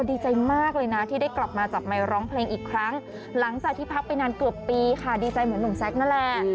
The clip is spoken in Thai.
ดีใจเหมือนหนุ่มแซ็คนั่นแหละ